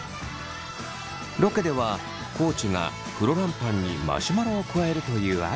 ロケでは地がフロランパンにマシュマロを加えるというアイデアを出しました。